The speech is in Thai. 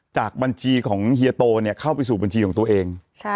จากบัญชีของเฮียโตเข้าไปสู่บัญชีของตัวเอง